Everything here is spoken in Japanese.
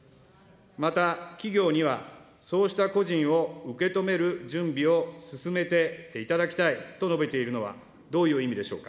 また、企業にはそうした個人を受け止める準備を進めていただきたいと述べているのはどういう意味でしょうか。